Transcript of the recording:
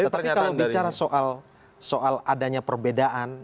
tapi kalau bicara soal adanya perbedaan